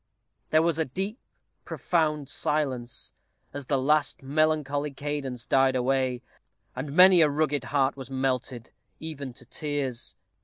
There was a deep, profound silence as the last melancholy cadence died away, and many a rugged heart was melted, even to tears.